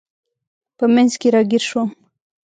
په منځ کې راګیر شوم.